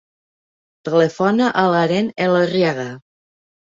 Telefona a l'Aren Elorriaga.